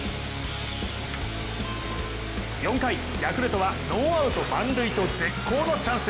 ４回、ヤクルトはノーアウト満塁と絶好のチャンス。